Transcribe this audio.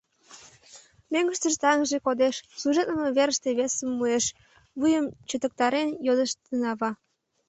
Мӧҥгыштыжӧ таҥже кодеш, служитлыме верыште весым муэш, — вуйым чытырыктен йодыштын ава.